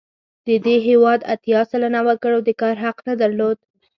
د دې هېواد اتیا سلنه وګړو د کار حق نه درلود.